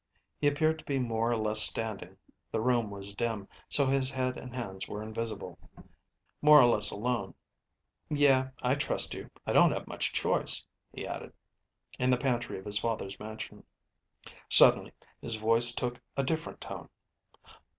He appeared to be more or less standing (the room was dim, so his head and hands were invisible), more or less alone ("Yeah, I trust you. I don't have much choice," he added.) in the pantry of his father's mansion. Suddenly his voice took a different tone.